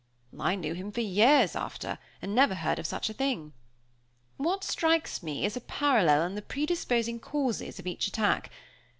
"I knew him for years after, and never heard of any such thing. What strikes me is a parallel in the predisposing causes of each attack.